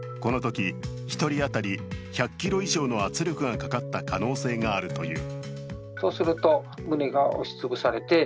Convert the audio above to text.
このとき１人当たり１００ｋｇ以上の圧力がかかった可能性があるという。